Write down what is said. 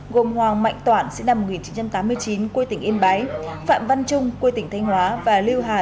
gồm hoàng mạnh toản sinh năm một nghìn chín trăm tám mươi chín quê tỉnh yên bái phạm văn trung quê tỉnh thanh hóa và lưu hà